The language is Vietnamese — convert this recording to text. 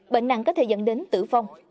bệnh nặng có thể dẫn đến tử vong